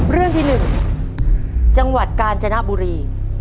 เรื่องที่๑จังหวัดกาญจนบุรี